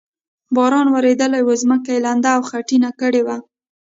باران ورېدلی و، ځمکه یې لنده او خټینه کړې وه.